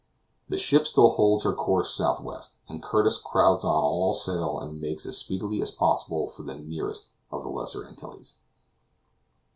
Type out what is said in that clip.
The ship still holds her course southwest, and Curtis crowds on all sail and makes as speedily as possible for the nearest of the Lesser Antilles.